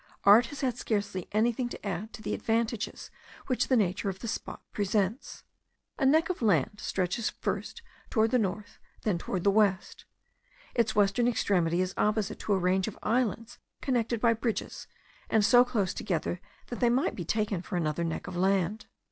Art has had scarcely anything to add to the advantages which the nature of the spot presents. A neck of land stretches first towards the north, and then towards the west. Its western extremity is opposite to a range of islands connected by bridges, and so close together that they might be taken for another neck of land.